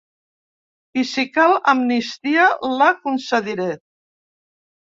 I si cal amnistia, la concediré.